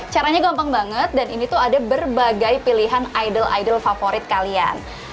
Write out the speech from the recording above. caranya gampang banget dan ini tuh ada berbagai pilihan idol idol favorit kalian